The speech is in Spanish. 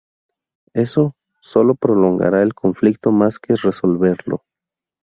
Eso sólo prolongará el conflicto más que resolverlo".